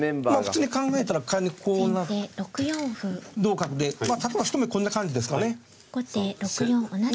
普通に考えたら仮にこうなって同角でまあ角はひと目こんな感じですかね。